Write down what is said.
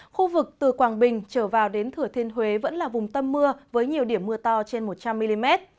khu vực từ quảng bình trở vào đến thừa thiên huế vẫn là vùng tâm mưa với nhiều điểm mưa to trên một trăm linh mm